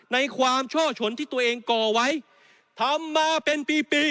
ในความช่อฉนที่ตัวเองก่อไว้ทำมาเป็นปีปี